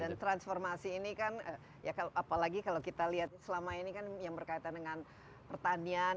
dan transformasi ini kan apalagi kalau kita lihat selama ini kan yang berkaitan dengan pertanian